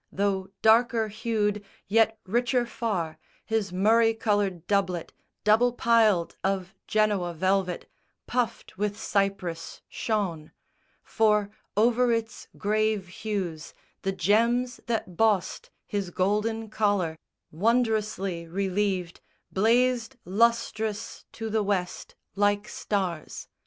Though darker hued, yet richer far, His murrey coloured doublet double piled Of Genoa velvet, puffed with ciprus, shone; For over its grave hues the gems that bossed His golden collar, wondrously relieved, Blazed lustrous to the West like stars.